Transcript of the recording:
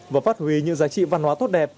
và phát huy những giá trị văn hóa tốt đẹp